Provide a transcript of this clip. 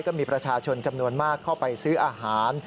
ก็มีประชาชนจำนวนมากเข้าไปซื้ออาหาร